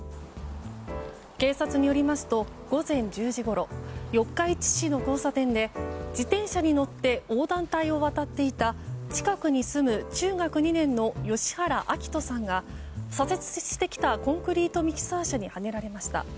警察によりますと午前１０時ごろ四日市市の交差点で自転車に乗って横断帯を渡っていた近くに住む中学２年の吉原暁冬さんが左折してきたコンクリートミキサー車にはねられました。